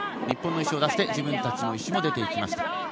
日本の石を出して自分たちの石も出ていきました。